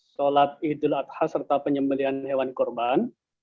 sholat idul adha serta penyembelian hewan kurban